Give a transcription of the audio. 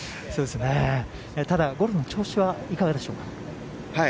ただ、ゴルフの調子はいかがでしょうか？